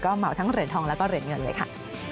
เหมาทั้งเหรียญทองแล้วก็เหรียญเงินเลยค่ะ